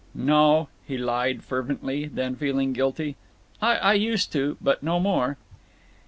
"No!" he lied, fervently, then, feeling guilty, "I used to, but no more."